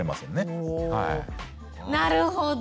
なるほど。